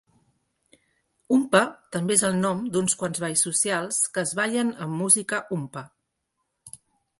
"Humppa" també és el nom d'uns quants balls socials que es ballen amb música humppa.